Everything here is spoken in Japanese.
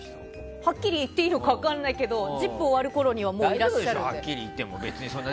はっきり言っていいのか分からないけど「ＺＩＰ！」が終わるころにはいらっしゃるので。